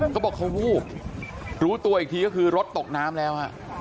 เขาบอกเขาวูบรู้ตัวอีกทีก็คือรถตกน้ำแล้วฮะ